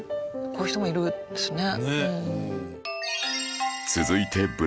こういう人もいるんですね。